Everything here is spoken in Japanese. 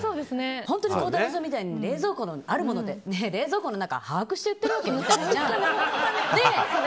本当に孝太郎さんみたいに冷蔵庫にあるものでってねえ冷蔵庫の中把握して言っているわけ？みたいな。